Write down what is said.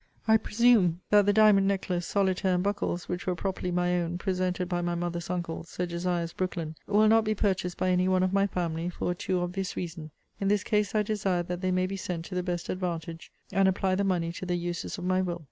I presume, that the diamond necklace, solitaire, and buckles, which were properly my own, presented by my mother's uncle, Sir Josias, Brookland, will not be purchased by any one of my family, for a too obvious reason: in this case I desire that they may be sent to the best advantage, and apply the money to the uses of my will.